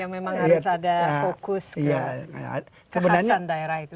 memang harus ada fokus ke khasan daerah itu